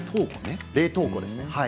冷凍庫です。